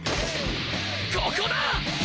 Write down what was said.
ここだあ！